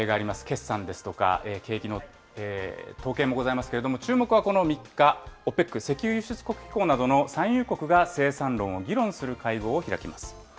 決算ですとか、景気の統計もございますけれども、注目はこの３日、ＯＰＥＣ・石油輸出国機構などの産油国が生産量を議論する会合を開きます。